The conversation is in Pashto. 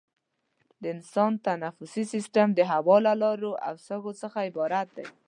د انسان تنفسي سیستم د هوا له لارو او سږو څخه عبارت دی.